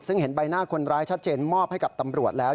ซึ่งเห็นใบหน้าคนร้ายชัดเจนมอบให้กับตำรวจแล้ว